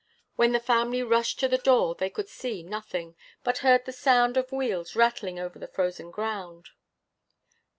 When the family rushed to the door, they could see nothing, but heard the sound of wheels rattling over the frozen ground.